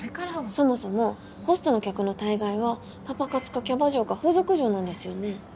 そもそもホストの客の大概はパパ活かキャバ嬢か風俗嬢なんですよね？